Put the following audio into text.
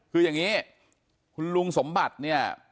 คืออย่างนี้คุณลุงสมบัติเนี่ย